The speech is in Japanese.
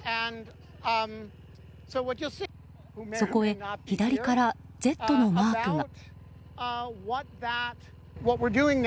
そこへ左からＺのマークが。